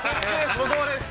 ◆僕もです。